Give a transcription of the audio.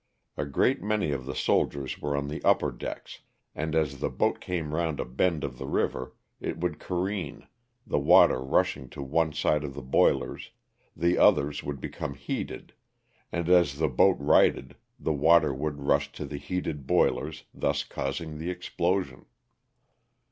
A great many of the soldiers were on the upper decks, and as the boat came round a bend of the river it would careen, the water rushing to one side of the boilers, the others would become heated, and as the boat righted the water would rush to the heated boilers, thus causing the explosion.